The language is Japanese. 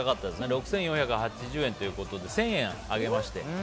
６４８０円ということで１０００円上げまして。